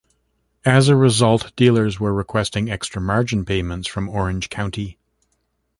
As a result, dealers were requesting extra margin payments from Orange County.